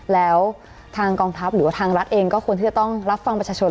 แล้วทางกองทัพหรือว่าทางรัฐเองก็ควรที่จะต้องรับฟังประชาชน